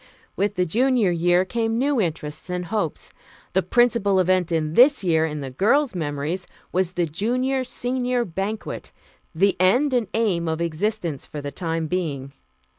With the Junior year came new interests and hopes. The principal event in this year, in the girls' memories, was the "Junior Senior banquet," the end and aim of existence for the time being.